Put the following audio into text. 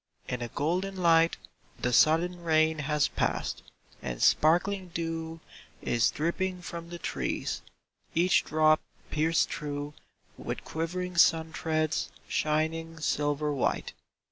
In a golden light The sudden rain has passed, and sparkling dew Is dripping from the trees, each drop pierced through With quivering sun threads, shining sil ver white.